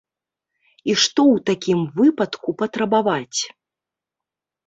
І што ў такім выпадку патрабаваць?